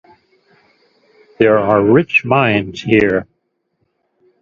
There are rich mines here.